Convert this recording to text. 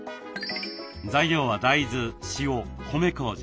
材料は大豆塩米こうじ。